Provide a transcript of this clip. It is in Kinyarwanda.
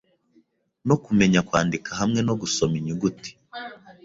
no kumenya kwandika hamwe no gusoma inyuguti;